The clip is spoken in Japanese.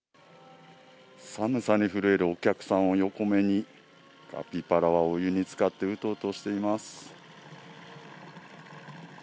寒さに震えるお客さんを横目に、カピバラはお湯につかってうとうとしています。